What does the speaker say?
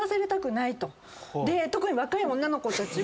特に若い女の子たちは。